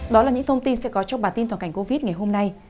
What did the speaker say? đó là những thông tin sẽ có trong bản tin toàn cảnh covid ngày hôm nay